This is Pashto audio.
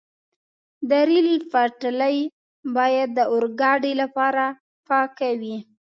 د ریل پټلۍ باید د اورګاډي لپاره پاکه وي.